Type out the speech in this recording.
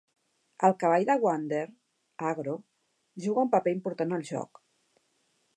El cavall de Wander, Agro, juga un paper important al joc.